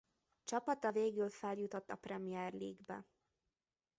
Csapata végül feljutott a Premier League-be.